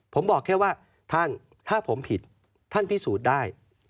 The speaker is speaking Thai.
ผมบอกแค่ว่าท่านถ้าผมผิดท่านพิสูจน์ได้